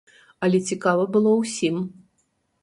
Але цікава было ўсім.